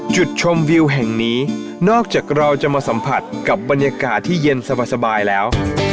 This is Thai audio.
จุดชมวิวแห่งนี้นอกจากเราจะมาสัมผัสกับบรรยากาศที่เย็นสบายแล้ว